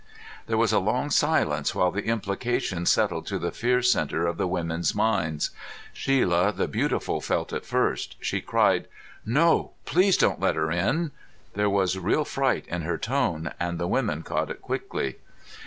There was a long silence while the implication settled to the fear center of the women's minds. Shelia the beautiful felt it first. She cried, "No! Please don't let her in!" There was real fright in her tone and the women caught it quickly.